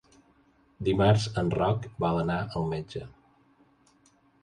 Dimarts en Roc vol anar al metge.